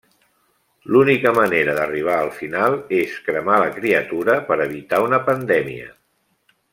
L'única manera d'arribar al final és cremar la criatura per evitar una pandèmia.